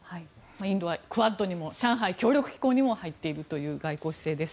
インドはクアッドにも上海協力機構にも入っているという外交姿勢です。